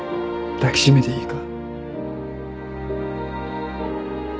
抱き締めていいか？